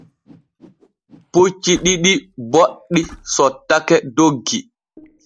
Pucci ɗiɗi boɗɗi sottake doggi.